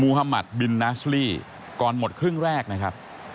ฮามัติบินนาสลี่ก่อนหมดครึ่งแรกนะครับ